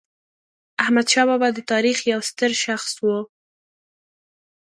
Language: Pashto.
احمدشاه بابا د تاریخ یو ستر شخص و.